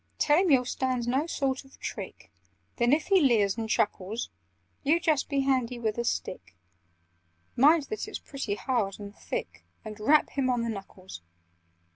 "Tell him you'll stand no sort of trick; Then, if he leers and chuckles, You just be handy with a stick (Mind that it's pretty hard and thick) And rap him on the knuckles!